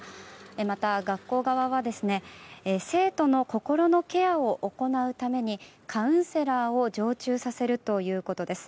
また学校側は生徒の心のケアを行うためにカウンセラーを常駐させるということです。